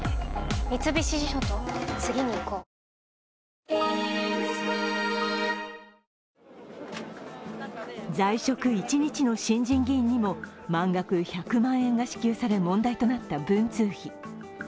しかし在職一日の新人議員にも満額１００万円が支給され問題となった文通費。